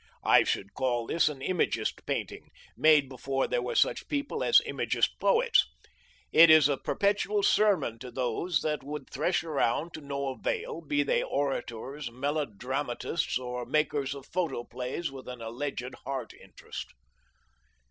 I should call this an imagist painting, made before there were such people as imagist poets. It is a perpetual sermon to those that would thresh around to no avail, be they orators, melodramatists, or makers of photoplays with an alleged heart interest.